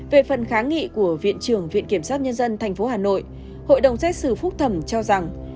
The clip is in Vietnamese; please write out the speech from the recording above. về phần kháng nghị của viện trưởng viện kiểm sát nhân dân tp hà nội hội đồng xét xử phúc thẩm cho rằng